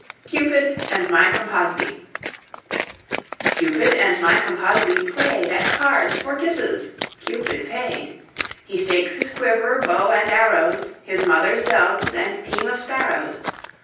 CUPID AND MY CAMPASBE. Cupid and my Campasbe played At cards for kisses. Cupid paid. He stakes his quiver, bow and arrows, His mother's doves and team of sparrows.